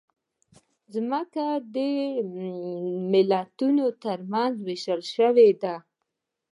مځکه د ملتونو ترمنځ وېشل شوې ده.